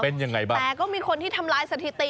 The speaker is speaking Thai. แต่ก็มีคนที่ทำลายสถิติ